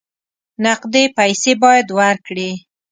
نقدې پیسې باید ورکړې.